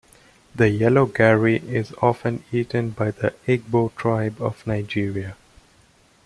The yellow garri is often eaten by the Igbo tribe of Nigeria.